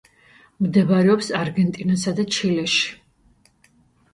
მდებარეობს არგენტინასა და ჩილეში.